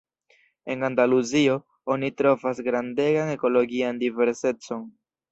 En Andaluzio, oni trovas grandegan ekologian diversecon.